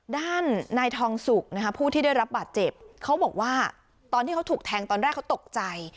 ด้านนายทองสุกนะคะผู้ที่ได้รับบาดเจ็บเขาบอกว่าตอนที่เขาถูกแทงตอนแรกเขาตกใจ